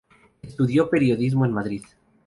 Estudió periodismo en Madrid.